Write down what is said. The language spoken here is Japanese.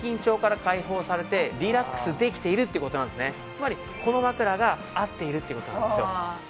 つまりこの枕が合っているっていう事なんですよ。